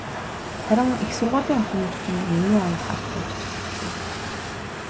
Харин их сургуулийн охиныг чинь юмны ая харж байж зохицуулъя.